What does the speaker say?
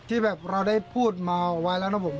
ที่แบบเราได้พูดมาไว้แล้วนะผม